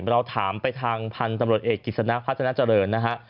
เราถามไปทางพันธุ์ตำรวจเอกกิจสนะพัฒนาเจริญนะฮะ